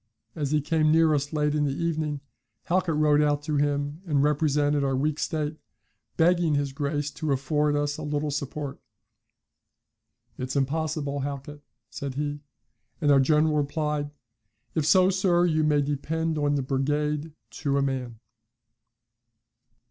As he came near us late in the evening, Halkett rode out to him and represented our weak state, begging his Grace to afford us a little support. 'It's impossible, Halkett,' said he. And our general replied, 'If so, sir, you may depend on the brigade to a man!'"